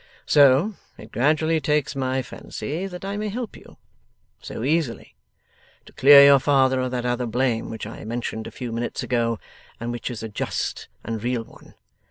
So, it gradually takes my fancy that I may help you so easily! to clear your father of that other blame which I mentioned a few minutes ago, and which is a just and real one.